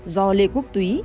do lê quốc tùy